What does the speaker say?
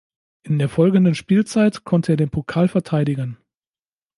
In der folgenden Spielzeit konnte er den Pokal verteidigen.